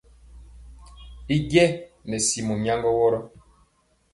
I njenɛ nɛ simɔ nyaŋgɔ wɔrɔ.